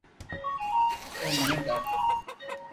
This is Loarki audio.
او مني ڌاڌو پسند ڪري ھي